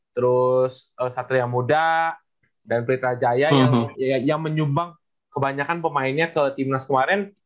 terus satria muda dan betajaya yang menyumbang kebanyakan pemainnya ke tim nasional kemarin